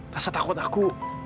rasa takut aku